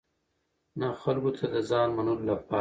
نه خلکو ته د ځان منلو لپاره.